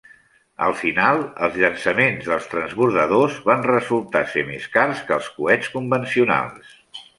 Al final, els llançaments dels transbordadors van resultar ser més cars que els coets convencionals.